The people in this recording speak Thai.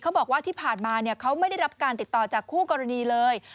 เขาบอกว่าที่ผ่านมาเขาไม่ได้รับการติดต่อจากคู่กรณีเลย